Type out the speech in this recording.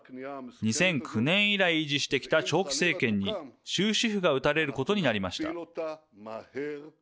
２００９年以来維持してきた長期政権に終止符が打たれることになりました。